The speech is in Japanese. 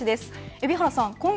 海老原さん。